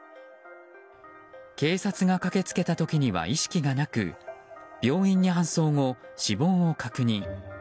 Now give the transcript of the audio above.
警察が駆けつけた時には意識がなく病院に搬送後、死亡を確認。